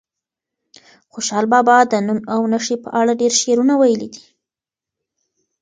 خوشحال بابا د نوم او نښې په اړه ډېر شعرونه ویلي دي.